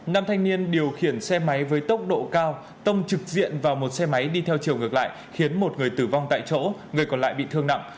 nam thanh niên điều khiển xe máy với tốc độ cao tông trực diện vào một xe máy đi theo chiều ngược lại khiến một người tử vong tại chỗ người còn lại bị thương nặng